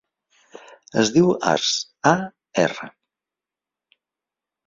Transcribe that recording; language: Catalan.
Es diu Arç: a, erra.